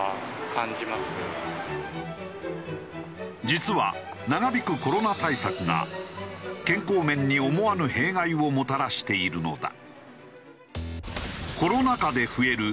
実は長引くコロナ対策が健康面に思わぬ弊害をもたらしているのだ。